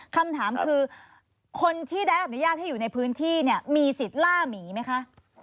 คำถามคือคนที่ได้รับอนุญาตให้อยู่ในพื้นที่เนี่ยมีสิทธิ์ล่าหมีไหมคะ